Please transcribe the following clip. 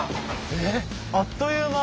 えっあっという間！